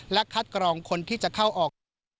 และคัดกรองคนที่จะเข้าออก